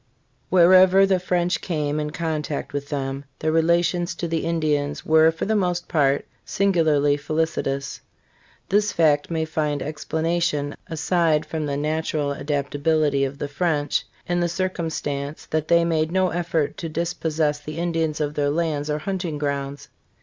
HEREVER the French came in contact with them, their rela tions to the Indians were for the most part singularly felicitous. This fact may find explanation, aside from the natural adapta bility of the French, in the circumstance that they made no effort to dispossess the Indians of their lands or hunting grounds.